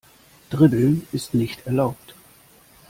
Dribbeln ist nicht erlaubt.